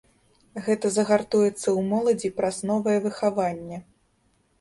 Гэта загартуецца ў моладзі праз новае выхаванне.